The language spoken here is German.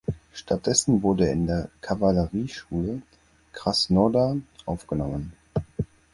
Stattdessen wurde er in die Kavallerieschule Krasnodar aufgenommen.